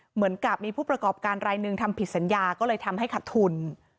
เหมือนกับมีผู้ประกอบการรายหนึ่งทำผิดสัญญาก็เลยทำให้ขัดทุน